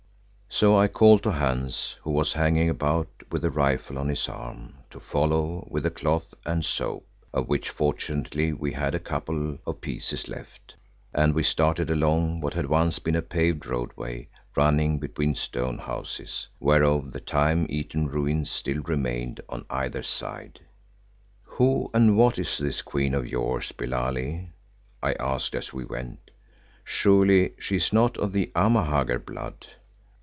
So I called to Hans, who was hanging about with a rifle on his arm, to follow with a cloth and soap, of which fortunately we had a couple of pieces left, and we started along what had once been a paved roadway running between stone houses, whereof the time eaten ruins still remained on either side. "Who and what is this Queen of yours, Billali?" I asked as we went. "Surely she is not of the Amahagger blood."